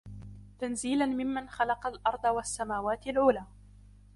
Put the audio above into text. تَنْزِيلًا مِمَّنْ خَلَقَ الْأَرْضَ وَالسَّمَاوَاتِ الْعُلَى